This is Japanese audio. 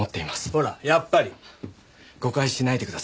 ほらやっぱり！誤解しないでください。